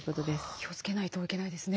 気をつけないといけないですね。